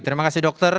terima kasih dokter